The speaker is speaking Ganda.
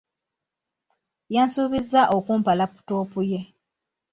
Yansuubiza okumpa laputopu ye.